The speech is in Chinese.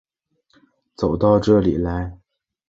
走到这里来